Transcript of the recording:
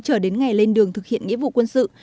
trở đến ngày lên đường thực hiện nghĩa vụ quân sự